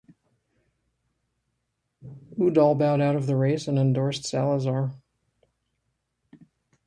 Udall bowed out of the race and endorsed Salazar.